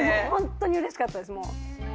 ホントにうれしかったですもう。